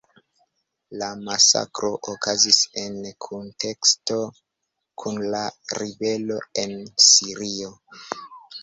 La masakro okazis en kunteksto kun la ribelo en Sirio.